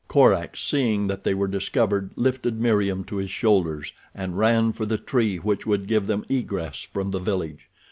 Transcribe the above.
Korak, seeing that they were discovered, lifted Meriem to his shoulders and ran for the tree which would give them egress from the village.